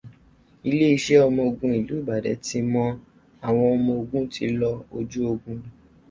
Iléeṣẹ́ ọmọogun ìlú Ìbàdàn ti mọ àwọn ọmọogun tí lọ ojú ogun.